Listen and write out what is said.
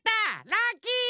ラッキー！